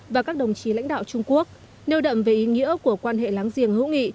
và các đồng chí lãnh đạo trung quốc nêu đậm về ý nghĩa của quan hệ láng giềng hữu nghị